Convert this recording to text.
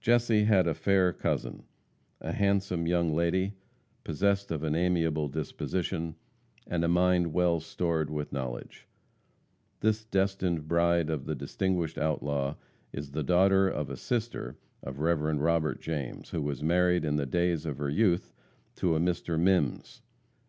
Jesse had a fair cousin a handsome young lady, possessed of an amiable disposition, and a mind well stored with knowledge. This destined bride of the distinguished outlaw is the daughter of a sister of the Rev. Robert James, who was married in the days of her youth to a Mr. Mimms.